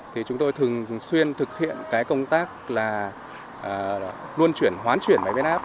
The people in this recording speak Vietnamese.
thì chúng tôi thường xuyên thực hiện công tác luôn chuyển hoán chuyển máy bến áp